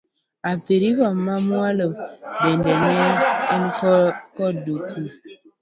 Athi River ma mwalo bende ne en koda dukni.